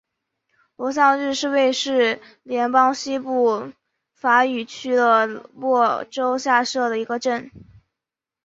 罗桑日是瑞士联邦西部法语区的沃州下设的一个镇。